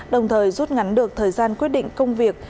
đồng thời rút ngắn được thời gian quyết định công việc